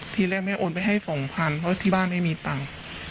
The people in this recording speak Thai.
ทีแรกแม่โอนไปให้๒๐๐๐เพราะที่บ้านไม่มีตังค์